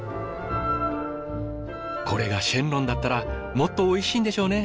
これが神龍だったらもっとおいしいんでしょうね。